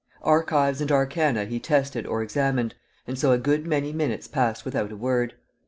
Archives and arcana he tested or examined, and so a good many minutes passed without a word.